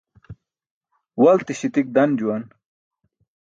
Walti śitik dan juwan